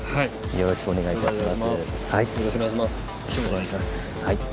よろしくお願いします。